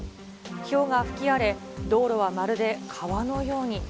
ひょうが吹き荒れ、道路はまるで川のように。